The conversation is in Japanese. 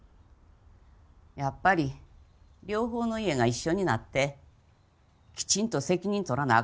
やっぱり両方の家が一緒になってきちんと責任とらなあ